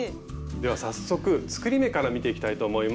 では早速作り目から見ていきたいと思います。